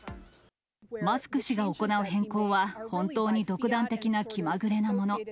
マスク氏が行う変更は、本当に独断的な気まぐれなもの。